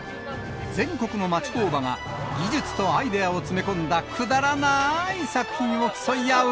全国の町工場が、技術とアイデアを詰め込んだくだらなーい作品を競い合う、